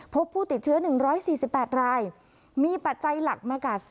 พบผู้ติดเชื้อหนึ่งร้อยสี่สิบแปดร้ายมีปัจจัยหลักมากัด